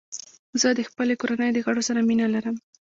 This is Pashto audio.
زه د خپلې کورنۍ د غړو سره مینه لرم.